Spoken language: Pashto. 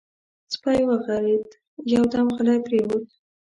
سپی وغرېد، يودم غلی پرېووت.